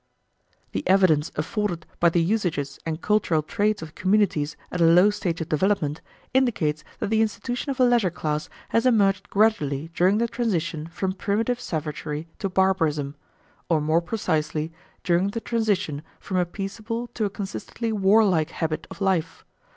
The evidence afforded by the usages and cultural traits of communities at a low stage of development indicates that the institution of a leisure class has emerged gradually during the transition from primitive savagery to barbarism; or more precisely, during the transition from a peaceable to a consistently warlike habit of life.